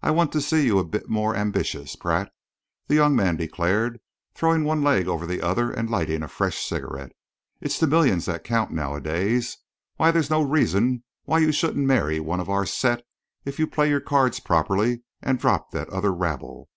I want to see you a bit more ambitious, Pratt," the young man declared, throwing one leg over the other and lighting a fresh cigarette. "It's the millions that count, nowadays. Why, there's no reason why you shouldn't marry one of our set, if you play your cards properly and drop that other rabble.